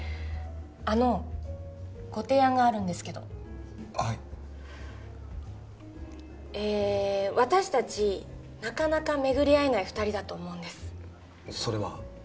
あのご提案があるんですけどはいえ私達なかなか巡りあえない二人だと思うんですそれは？